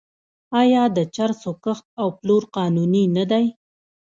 آیا د چرسو کښت او پلور قانوني نه دی؟